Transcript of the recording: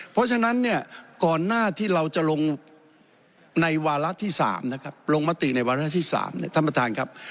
เพราะฉะนั้นก่อนหน้าที่เราจะลงในวาระที่๓ลงมติในวาระที่๓ท่านประธานครับ